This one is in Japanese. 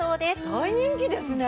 大人気ですね！